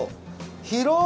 広い！